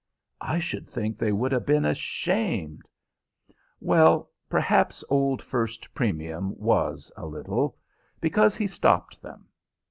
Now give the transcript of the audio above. "I should think they would 'a' been ashamed." Well, perhaps old First Premium was a little; because he stopped them.